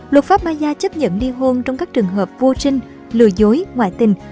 luật pháp maya chấp nhận ly hôn trong các trường hợp vô sinh lừa dối ngoại tình